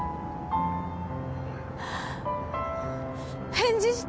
返事して！